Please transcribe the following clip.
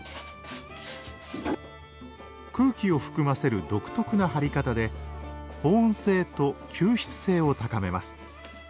空気を含ませる独特な貼り方で保温性と吸湿性を高めます。